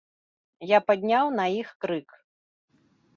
Я падняў на іх крык.